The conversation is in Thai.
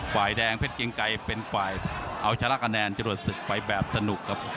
ฝ่ายแดงเพชรเกียงไกรเป็นฝ่ายเอาชนะคะแนนจรวดศึกไปแบบสนุกครับ